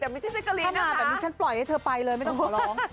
แต่ไม่ใช่เจ็คกาลิงนะคะถ้ามาแบบนี้แบบนี้ฉันปล่อยให้ให้เธอไปเลยไม่ต้องหรอก